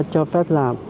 cho phép làm